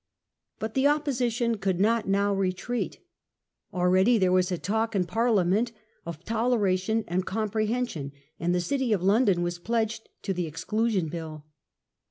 But the Opposition could not now retreat. Already there was a talk in Parliament of Toleration and Compre hension, and the city of London was pledged ^j^^ j^^^ to the Exclusion Bill.